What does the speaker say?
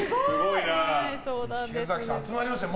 池崎さん集まりましたね。